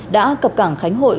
đã cập cảng khánh hội